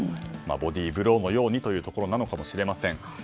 ボディーブローのようにというところなのかもしれません。